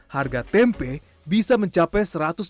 harga tempe bisa mencapai